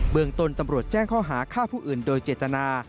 เมืองต้นตำรวจแจ้งข้อหาฆ่าผู้อื่นโดยเจตนา